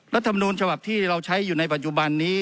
รัฐมนูลฉบับที่เราใช้อยู่ในปัจจุบันนี้